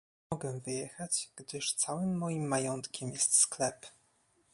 "Nie mogę wyjechać, gdyż całym moim majątkiem jest sklep."